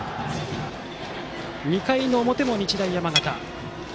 ２回の表も日大山形。